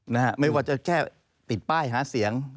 นะฮะไม่ว่าจะแค่ติดป้ายหาเสียง